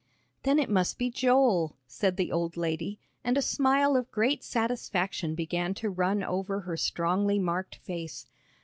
"Then it must be Joel," said the old lady, and a smile of great satisfaction began to run over her strongly marked face.